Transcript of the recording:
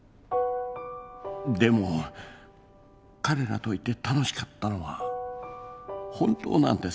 でも彼らといて楽しかったのは本当なんです。